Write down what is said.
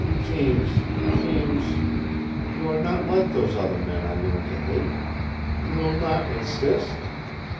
Jeems, Jeems, you are not like those other men I learned to hate? You will not INSIST?